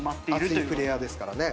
熱いプレーヤーですからね。